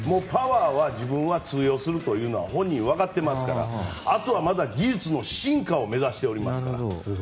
パワーも自分は通用するというのは本人も分かっていますからあとは技術の進化を目指していますから。